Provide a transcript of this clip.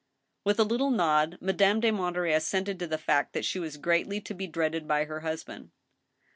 With a little nod Madame de Monterey assented to the fact that she was greatly to be dreaded by her husband.